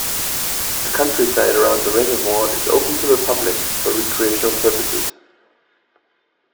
The countryside around the reservoir is open to the public for recreational purposes.